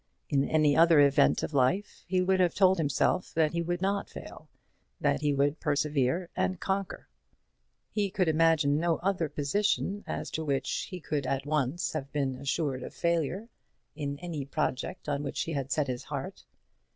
In any other event of life he would have told himself that he would not fail that he would persevere and conquer. He could imagine no other position as to which he could at once have been assured of failure, in any project on which he had set his heart.